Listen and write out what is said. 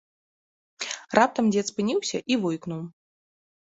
Раптам дзед спыніўся і войкнуў.